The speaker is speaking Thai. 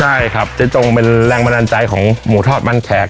ใช่ครับเจ๊จงเป็นแรงบันดาลใจของหมูทอดมันแขก